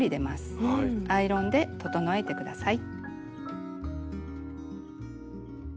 アイロンで整えて下さい。